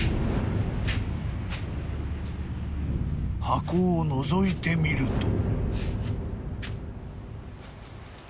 ［箱をのぞいてみると］